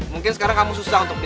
masa kamu hangus deh